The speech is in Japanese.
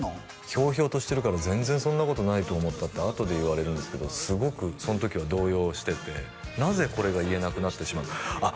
ひょうひょうとしてるから全然そんなことないと思ったってあとで言われるんですけどすごくその時は動揺しててなぜこれが言えなくなってしまあ